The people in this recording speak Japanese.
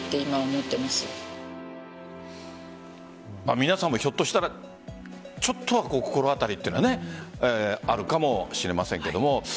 皆さんも、ひょっとしたらちょっとは心当たりというのはあるかもしれませんけども。